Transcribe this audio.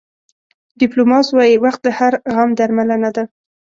ډیپایلوس وایي وخت د هر غم درملنه ده.